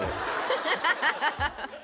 ハハハハハ！